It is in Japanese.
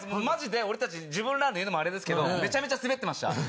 マジで俺たち自分らで言うのもアレですけどめちゃめちゃスベってました。